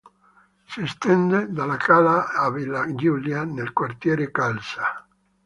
Si estende dalla Cala a villa Giulia, nel quartiere Kalsa.